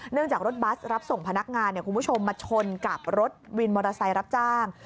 เนื่องจากรถบัสรับส่งพนักงานเนี่ยคุณผู้ชมมาชนกับรถวินมอเตอร์รับจ้าง